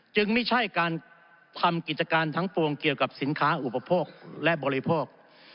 ไม่ใช่การทำกิจการทั้งปวงเกี่ยวกับสินค้าอุปโภคและบริโภค